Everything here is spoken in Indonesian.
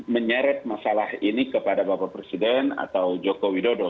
menyeret masalah ini kepada bapak presiden atau joko widodo